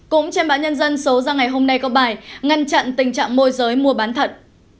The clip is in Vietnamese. cũng trên báo nhân dân số ra ngày hôm nay có bài ngăn chặn tình trạng môi giới mua bán thận